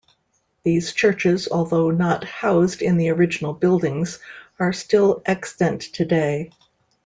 These churches, although not housed in the original buildings, are still extant today.